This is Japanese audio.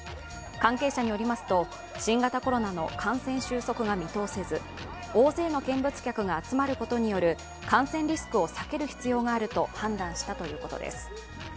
関係者によりますと、新型コロナの感染収束が見通せず大勢の見物客が集まることによる感染リスクを避ける必要があると判断したということです。